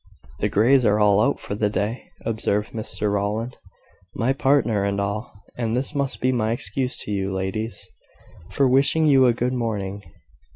"The Greys are all out for the day," observed Mr Rowland; "my partner and all; and this must be my excuse to you, ladies, for wishing you a good morning.